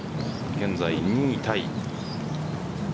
現在、２位タイ。